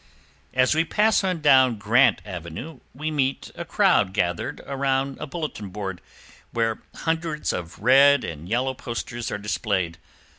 As we pass on down Grant Avenue we meet a crowd gathered around a bulletin board, where hundreds of red and yellow posters are displayed.